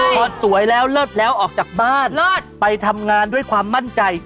พอสวยแล้วเลิศแล้วออกจากบ้านไปทำงานด้วยความมั่นใจ